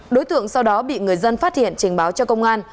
đối tượng sau đó bị người dân phát hiện trình báo cho công an